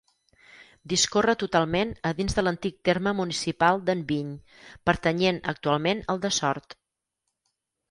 Discorre totalment a dins de l'antic terme municipal d'Enviny, pertanyent actualment al de Sort.